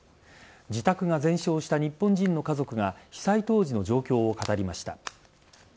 自宅が全焼した日本人の家族が被災当時の状況を語りました。